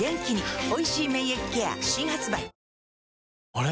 あれ？